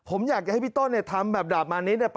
ผมอยากจะให้พี่ต้นทำแบบดาบมานิด